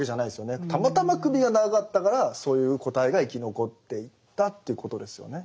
たまたま首が長かったからそういう個体が生き残っていったということですよね。